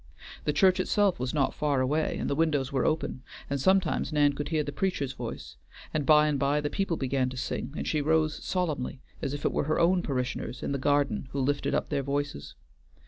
The church itself was not far away, and the windows were open, and sometimes Nan could hear the preacher's voice, and by and by the people began to sing, and she rose solemnly, as if it were her own parishioners in the garden who lifted up their voices.